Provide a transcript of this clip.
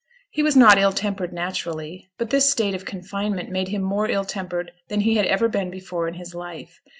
He was not ill tempered naturally, but this state of confinement made him more ill tempered than he had ever been before in his life.